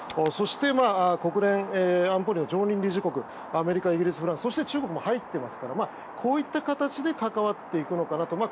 そして国連安保理の常任理事国アメリカ、イギリス、フランスそして中国も入っていますからこういった形で関わっていくのかなと。